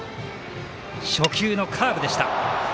初球のカーブでした。